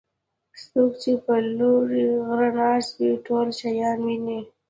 څوک چې پر لوی غره ناست وي ټول شیان ویني.